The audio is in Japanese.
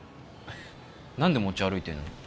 何で持ち歩いてんの？